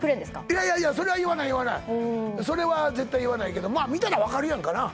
いやいやいやそれは言わないそれは絶対言わないけどもまあ見たら分かるやんかな